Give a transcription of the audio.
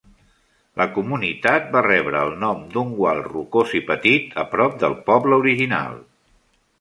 La comunitat va rebre el nom d'un gual rocós i petit a prop del poble original.